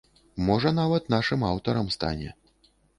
Можа, нават нашым аўтарам стане.